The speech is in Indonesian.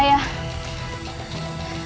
saya akan membantunya